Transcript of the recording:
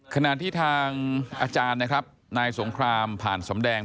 ขณะที่ทางอาจารย์นะครับนายสงครามผ่านสำแดง